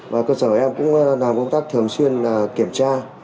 và cơ sở em cũng làm công tác thường xuyên kiểm tra